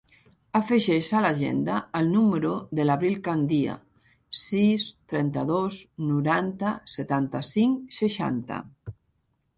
Afegeix a l'agenda el número de l'Avril Candia: sis, trenta-dos, noranta, setanta-cinc, seixanta.